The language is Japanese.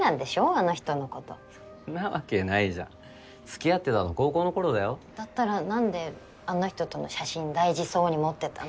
あの人のことそんなわけないじゃん付き合ってたの高校の頃だよだったら何であの人との写真大事そうに持ってたの？